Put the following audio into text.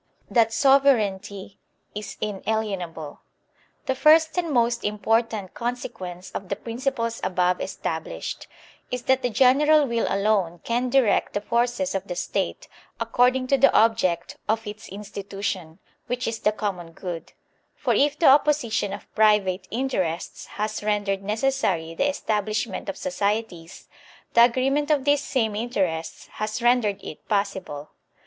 That Sovereignty is Inalienable. The first and most important consequence of the prin ciples above established is that the general will alone can direct the forces of the State according to the object of its institution, which is the common good; for if the opposition of private interests has rendered necessary the establishment of societies, the agreement of these same interests has rendered it possible.